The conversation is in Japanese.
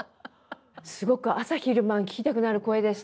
すごく朝昼晩聞きたくなる声でした。